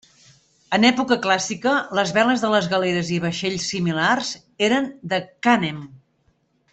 En època clàssica les veles de les galeres i vaixells similars eren de cànem.